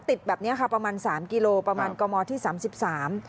แบบเนี้ยค่ะประมาณสามกิโลประมาณกมที่สามสิบสาม